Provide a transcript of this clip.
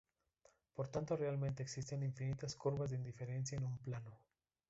Por tanto realmente existen infinitas curvas de indiferencia en un plano.